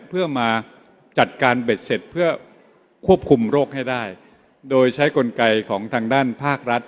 เพื่อมาจัดการเบ็ดเสร็จเพื่อควบคุมโรคให้ได้โดยใช้กลไกของทางด้านภาครัฐ